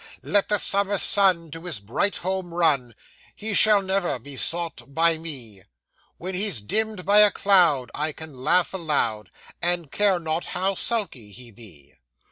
'Let the Summer sun to his bright home run, He shall never be sought by me; When he's dimmed by a cloud I can laugh aloud And care not how sulky he be!